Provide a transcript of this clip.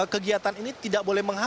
kegiatan ini tidak boleh menghalang